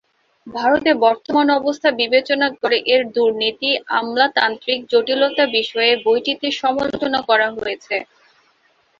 ভারতের বর্তমান অবস্থা বিবেচনা করে এর দূর্নীতি, আমলাতান্ত্রিক জটিলতা বিষয়ে বইটিতে সমালোচনা করা হয়েছে।